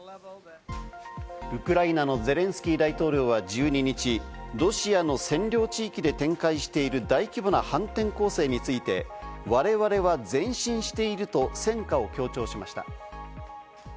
ウクライナのゼレンスキー大統領は１２日、ロシアの占領地域で展開している大規模な反転攻勢について、われわれは前進していると戦果を強調しました。